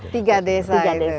tiga desa itu